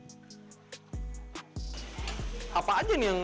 kini tiba waktunya proses memasak dengan teknik ungkut